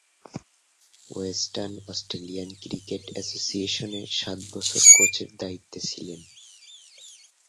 Western Australian cricket অ্যাসোসিয়েশনে সাত বছর কোচের দায়িত্বে ছিলেন।